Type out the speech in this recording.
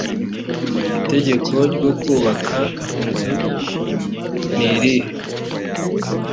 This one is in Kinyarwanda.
itegeko ryo kubaka inzu nirihe